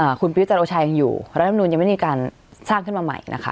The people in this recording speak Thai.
อ่าคุณปิวจรโอชายังอยู่รายละมนุนยังไม่ได้การสร้างขึ้นมาใหม่นะคะ